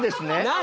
何？